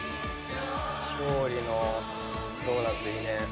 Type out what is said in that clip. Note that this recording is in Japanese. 勝利のドーナツいいね。